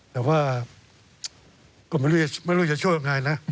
แต่ว่าก็ไม่รู้จะช่วยยังไงนะ